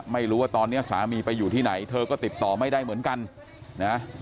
ไม่รู้ว่าตอนนี้สามีไปอยู่ที่ไหนเธอก็ติดต่อไม่ได้เหมือนกันนะ